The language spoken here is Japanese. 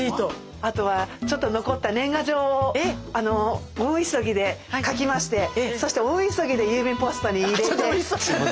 あとはちょっと残った年賀状を大急ぎで書きましてそして大急ぎで郵便ポストに入れて。